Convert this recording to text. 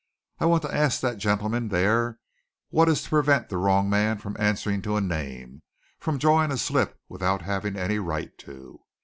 I want to ask that gentleman there what is to prevent the wrong man from answering to a name, from drawing a slip without having any right to?"